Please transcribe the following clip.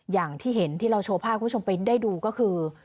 อย่างที่เห็นที่เราโชว์ภาพคุณผู้ชมไปได้ดูก็คือ